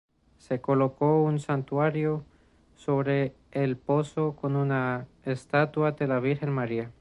Se colocó un santuario sobre el pozo con una estatua de la Virgen María.